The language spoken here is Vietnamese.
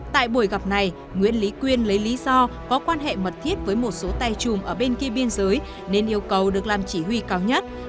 tại buổi gặp này nguyễn lý quyên lấy lý do có quan hệ mật thiết với một số tay chùm ở bên kia biên giới nên yêu cầu được làm chỉ huy cao nhất